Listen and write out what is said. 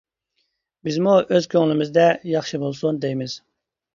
بىزمۇ ئۆز كۆڭلىمىزدە ياخشى بولسۇن دەيمىز.